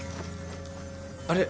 あれ？